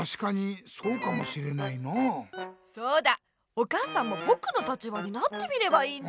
お母さんもぼくの立場になってみればいいんだ。